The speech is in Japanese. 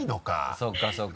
そうかそうか。